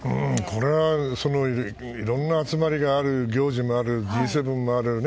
これは、いろんな集まりがある行事もある、Ｇ７もある。